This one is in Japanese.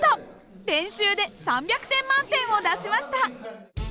練習で３００点満点を出しました。